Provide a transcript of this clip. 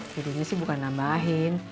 jadinya sih bukan nambahin